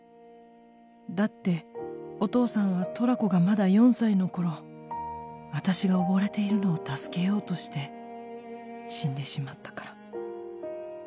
だってお父さんはとらこがまだ４歳の頃あたしが溺れているのを助けようとして死んでしまったから」。